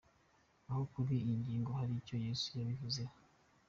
Ariko kuri iyi ngingo hari icyo Yesu yabivuzeho.